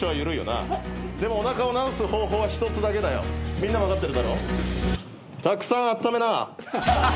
・・みんな分かってるだろ？